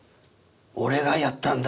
俺がやったんだ。